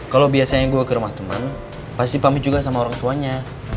kalau biasanya gue ke rumah teman pasti pamit juga sama orang tuanya